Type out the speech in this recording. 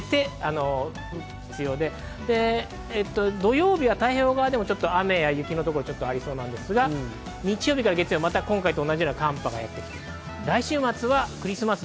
土曜日は太平洋側でも雨や雪の所がちょっとありそうなんですが、日曜日から月曜日は今回と同じような寒波がやってきそうです。